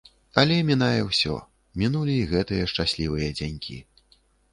Але мінае ўсё, мінулі і гэтыя шчаслівыя дзянькі.